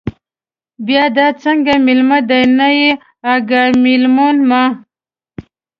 بیا دا څنگه مېلمه دے، نه يې اگاه، مېلمون مه